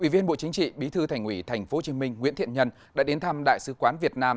ủy viên bộ chính trị bí thư thành ủy tp hcm nguyễn thiện nhân đã đến thăm đại sứ quán việt nam